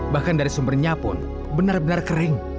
bahkan dari sumbernya pun benar benar kering